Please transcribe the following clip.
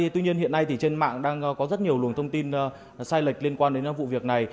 tuy nhiên hiện nay trên mạng đang có rất nhiều luồng thông tin sai lệch liên quan đến vụ việc này